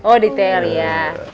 oh detail iya